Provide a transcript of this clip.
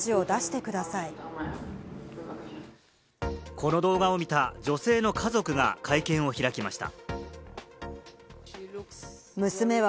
この動画を見た女性の家族が会見を開きました。